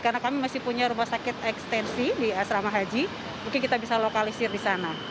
karena kami masih punya rumah sakit ekstensi di asrama haji mungkin kita bisa lokalisir di sana